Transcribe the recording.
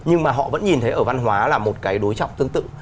nhưng mà họ vẫn nhìn thấy ở văn hóa là một cái đối trọng tương tự